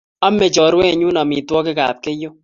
Ame choruennyu amitwogik ab Keiyo